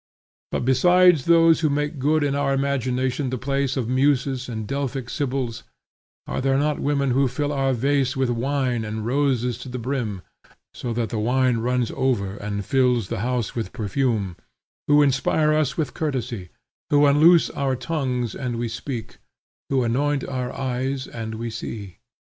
But besides those who make good in our imagination the place of muses and of Delphic Sibyls, are there not women who fill our vase with wine and roses to the brim, so that the wine runs over and fills the house with perfume; who inspire us with courtesy; who unloose our tongues and we speak; who anoint our eyes and we see?